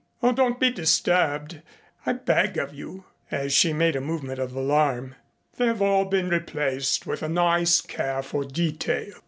Oh, don't be disturbed, I beg of you," as she made a movement of alarm, "they have all been replaced with a nice care for detail."